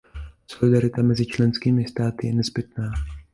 Solidarita mezi členskými státy je nezbytná.